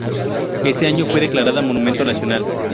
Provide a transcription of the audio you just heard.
Ese año fue declarada Monumento Nacional.